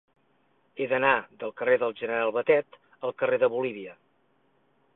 He d'anar del carrer del General Batet al carrer de Bolívia.